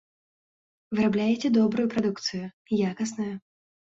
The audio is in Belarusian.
Вырабляеце добрую прадукцыю, якасную.